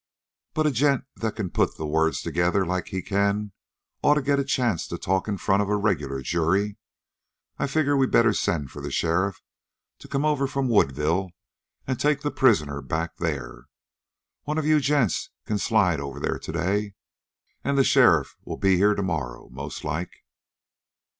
But a gent that can put the words together like he can, ought to get a chance to talk in front of a regular jury. I figure we'd better send for the sheriff to come over from Woodville and take the prisoner back there. One of you gents can slide over there today, and the sheriff'll be here tomorrow, mostlike."